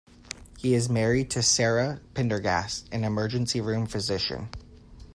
He is married to Sara Pendergast, an emergency room physician.